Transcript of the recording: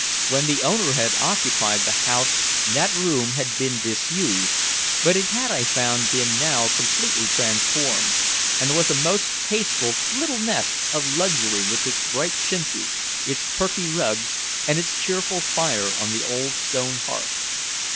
When the owner had occupied the house that room had been disused, but it had, I found, been now completely transformed, and was a most tasteful little nest of luxury with its bright chintzes, its Turkey rugs and its cheerful fire on the old stone hearth.